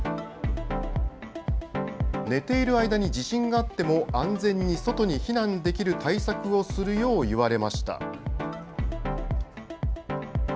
寝ている間に地震があっても安全に外に避難できる対策をするよう言われました。